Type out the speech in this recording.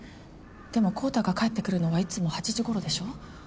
でも昂太が帰ってくるのはいつも８時頃でしょ？